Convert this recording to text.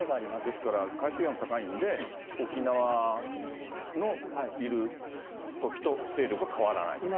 ですから、海水温高いんで、沖縄のいるときと勢力が変わらない。